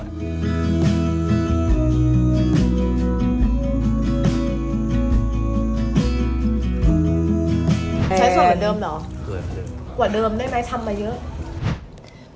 สับสูตรเหลือเดิมได้ไหมทำมาเยอะ